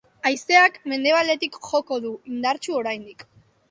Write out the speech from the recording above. Haizeak mendebaldetik joko du, indartsu oraindik.